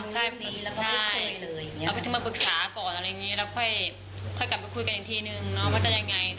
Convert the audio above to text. ใช่เราก็จะมาปรึกษาก่อนอะไรอย่างนี้แล้วค่อยกลับมาคุยกันอีกทีนึงว่าจะยังไง